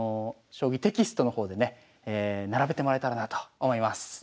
将棋テキストの方でね並べてもらえたらなと思います。